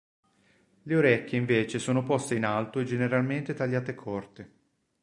Le orecchie invece sono poste in alto e generalmente tagliate corte.